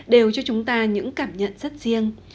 đều cho chúng ta những cảm nhận rất riêng